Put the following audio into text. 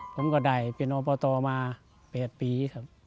ผมก็ได้เป็นอบตมา๘ปีครับ